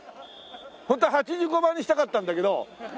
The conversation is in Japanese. ホントは８５番にしたかったんだけど。